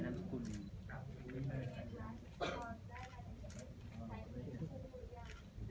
นางทุรมาสาราชาค่ะ